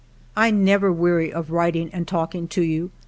" I never weary of writing and talking to you.